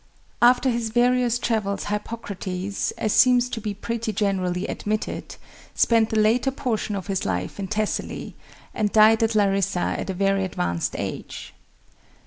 After his various travels Hippocrates, as seems to be pretty generally admitted, spent the latter portion of his life in Thessaly, and died at Larissa at a very advanced age.